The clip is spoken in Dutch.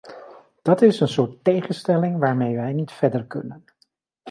Dat is een soort tegenstelling waarmee wij niet verder kunnen.